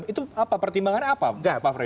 itu apa pertimbangan apa pak fredy